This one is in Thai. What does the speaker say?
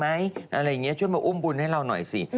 แมเอาไหมช่วยมาอุ้มบุญให้เราหน่อยสิ